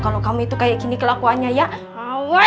yang kamu katain itu aku bukan redinya